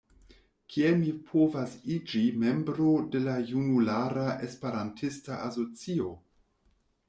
Kiel mi povas iĝi membro de la junulara Esperantista asocio?